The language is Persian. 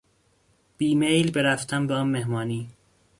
بیمیل به رفتن به آن مهمانی